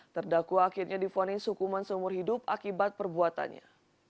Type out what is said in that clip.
terdakwa akhirnya difonis hukuman seumur hidup akibat perbuatannya